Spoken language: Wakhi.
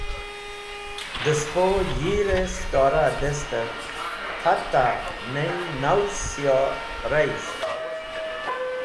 De spo yir-e (stor-e) destev hat a ney naw siyorayisht